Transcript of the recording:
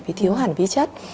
vì thiếu hẳn vi chất